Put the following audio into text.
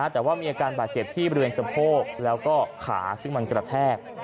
แต่ว่ามีอาการบาดเจ็บที่บริเวณสะโพกแล้วก็ขาซึ่งมันกระแทก